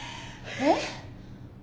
えっ？